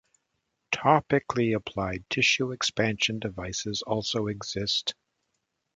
Topically applied tissue expansion devices also exist.